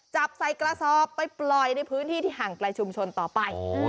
จับใส่กระสอบไปปล่อยในพื้นที่ที่ห่างไกลชุมชนต่อไป